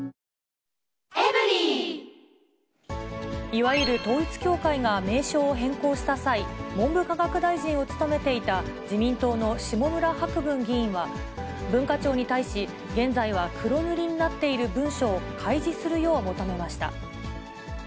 いわゆる統一教会が名称を変更した際、文部科学大臣を務めていた、自民党の下村博文議員は、文化庁に対し、現在は黒塗りになっている文書を開示するよう求めました。